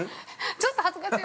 ◆ちょっと恥ずかしい。